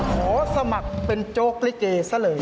ขอสมัครเป็นโจ๊กลิเกซะเลย